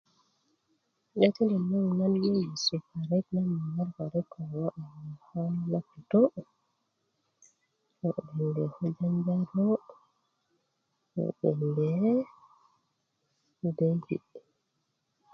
'detilön naŋ nan nyenyesu parik nan nyanyar parik ŋo bge ko loputu bgenge ko janjaro ŋo bgenge ludweki